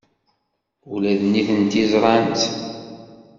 Ula d nitenti ẓrant-tt.